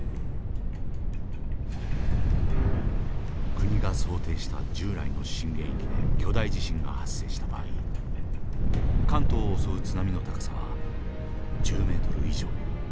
国が想定した従来の震源域で巨大地震が発生した場合関東を襲う津波の高さは１０ｍ以上。